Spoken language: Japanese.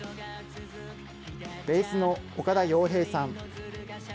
ベースの岡田陽平さん。